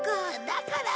だから。